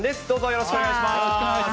よろしくお願いします。